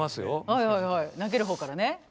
はいはいはい投げる方からね。